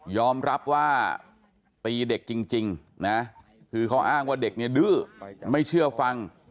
อมรับว่าตีเด็กจริงนะคือเขาอ้างว่าเด็กเนี่ยดื้อไม่เชื่อฟัง